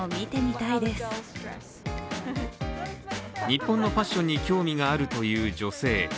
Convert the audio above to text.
日本のファッションに興味があるという女性。